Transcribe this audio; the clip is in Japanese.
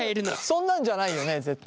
そんなんじゃないよね絶対。